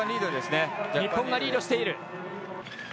日本がリードしている。